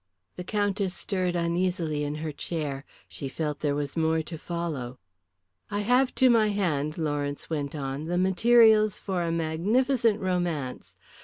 The Countess stirred uneasily in her chair. She felt there was more to follow. "I have to my hand," Lawrence went on, "the materials for a magnificent romance.